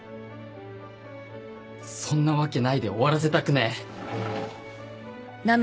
そんなわけないで終わらせたくねえ。